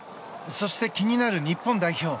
そして気になる日本代表。